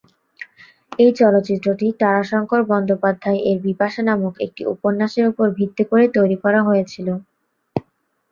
এই চলচ্চিত্রটি তারাশঙ্কর বন্দ্যোপাধ্যায় এর "বিপাশা" নামক একটি উপন্যাসের উপর ভিত্তি করে তৈরি করা হয়েছিল।